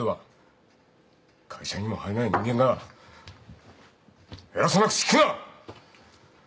会社にも入れない人間が偉そうな口利くな。